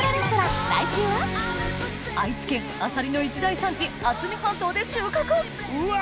愛知県あさりの一大産地渥美半島で収穫うわ